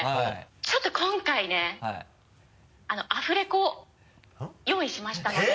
ちょっと今回ねアフレコ用意しましたので。